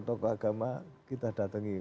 tokoh agama kita datangi